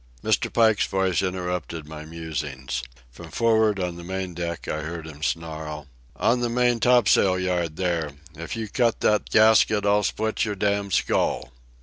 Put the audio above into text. Mr. Pike's voice interrupted my musings. From for'ard, on the main deck, I heard him snarl: "On the main topsail yard, there!—if you cut that gasket I'll split your damned skull!"